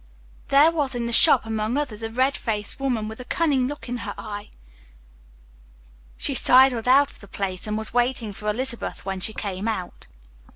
There was in the shop among others a red faced woman with a cunning look in her eyes. She sidled out of the place and was waiting for Elizabeth when she came out.